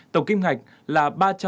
tổng kim ngạch là